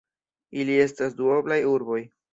Ili estas duoblaj urboj.